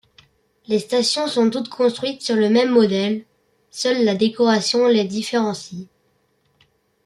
Les stations sont toutes construites sur le même modèle, seule la décoration les différencie.